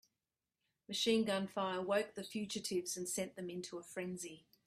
Machine gun fire awoke the fugitives and sent them into a frenzy.